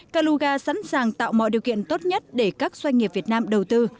kaluga sẵn sàng tạo mọi điều kiện tốt nhất để các doanh nghiệp việt nam đầu tư